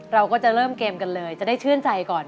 เราก็จะเริ่มเกมกันเลยจะได้ชื่นใจก่อน